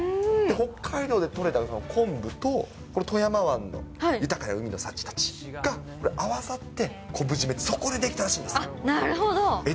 北海道で取れたその昆布と、富山湾の豊かな海の幸たちが合わさって、昆布締めって、そこで出来たらしいんですよ。